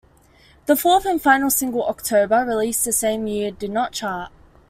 The fourth and final single, "October", released the same year, did not chart.